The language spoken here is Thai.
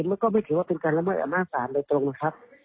มันก็ไม่ถือว่าเป็นการละเมิดอำนาจศาลโดยตรงนะครับ